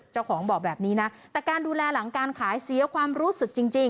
เจ้าของบอกแบบนี้นะแต่การดูแลหลังการขายเสียความรู้สึกจริง